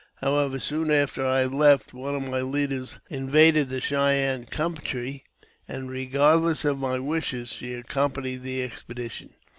However, soon after I had left, one of my leaders invaded the Cheyenne country, and, regard less of my wishes, she accompanied the expedition.